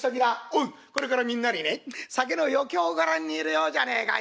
おいこれからみんなにね酒の余興を御覧に入れようじゃねえか。